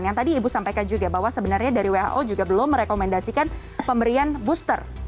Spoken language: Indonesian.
yang tadi ibu sampaikan juga bahwa sebenarnya dari who juga belum merekomendasikan pemberian booster